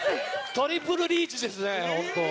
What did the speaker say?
トリプルリーチですねホント。